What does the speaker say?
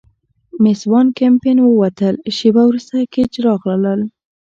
مېس وان کمپن ووتل، شیبه وروسته ګېج راغلل.